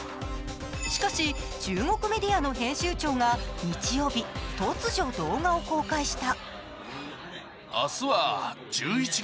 しかし、中国メディアの編集長が日曜日、突如、動画を公開した。